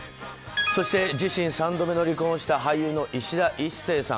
そして自身３度目の離婚をした俳優のいしだ壱成さん。